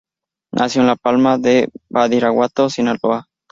Nació en La Palma, en Badiraguato, Sinaloa.